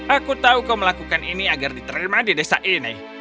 aku tahu kau melakukan ini agar diterima di desa ini